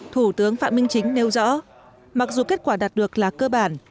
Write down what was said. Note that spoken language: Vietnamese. thủ tướng phạm minh chính nêu rõ mặc dù kết quả đạt được là cơ bản